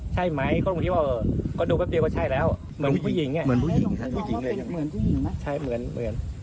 ทางผู้ชมพอเห็นแบบนี้นะทางผู้ชมพอเห็นแบบนี้นะ